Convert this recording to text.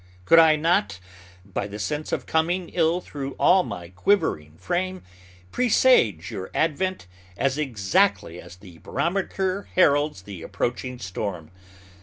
Could I not, by the sense of coming ill through all my quivering frame, presage your advent as exactly as the barometer heralds the approaching storm?